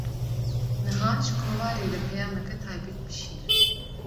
Niha, ji kovarê re peyameke taybet bişîne